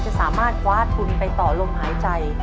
จะสามารถคว้าทุนไปต่อลมหายใจ